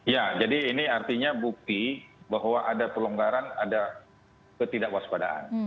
ya jadi ini artinya bukti bahwa ada pelonggaran ada ketidakwaspadaan